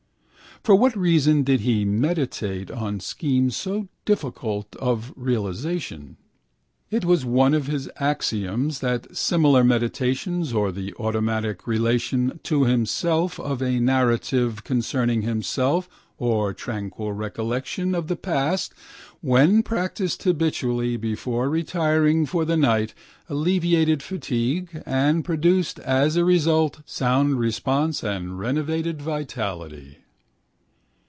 For what reason did he meditate on schemes so difficult of realisation? It was one of his axioms that similar meditations or the automatic relation to himself of a narrative concerning himself or tranquil recollection of the past when practised habitually before retiring for the night alleviated fatigue and produced as a result sound repose and renovated vitality.